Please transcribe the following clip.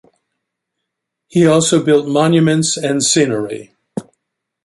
He also built monuments and scenery.